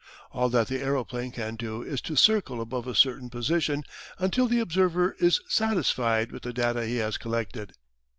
All that the aeroplane can do is to circle above a certain position until the observer is satisfied with the data he has collected.